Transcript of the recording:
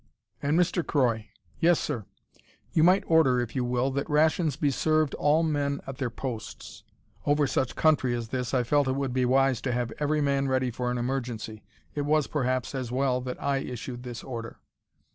And Mr. Croy!" "Yes, sir?" "You might order, if you will, that rations be served all men at their posts." Over such country as this, I felt it would be wise to have every man ready for an emergency. It was, perhaps, as well that I issued this order.